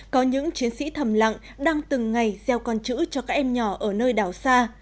có những chiến sĩ thầm lặng đang từng ngày gieo con chữ cho các em nhỏ ở nơi đảo xa